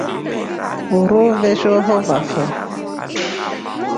Uruu veshohovafo.